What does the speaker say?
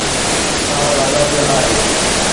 سان لاڳاپيل آهي